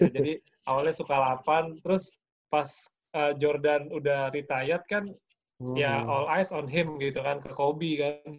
jadi awalnya suka lapan terus pas jordan udah retired kan ya all eyes on him gitu kan ke kobe kan